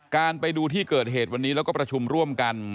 ไปดูที่เกิดเหตุวันนี้แล้วก็ประชุมร่วมกัน